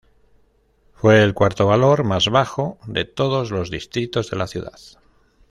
Fue el cuarto valor más bajo de todos los distritos de la ciudad.